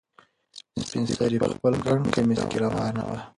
سپین سرې په خپل ګڼ کمیس کې روانه وه.